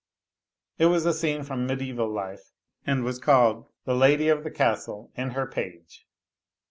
It was a scene from mediaeval life and was called " The Lady of the Castle and Her Page."